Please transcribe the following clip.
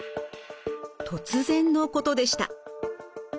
突然のことでした。